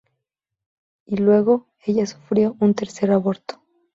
Y, luego, ella sufrió un tercer aborto.